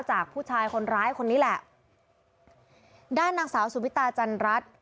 จากผู้ชายคนร้ายคนนี้แหละด้านนางสาวสุวิตาจันรัฐ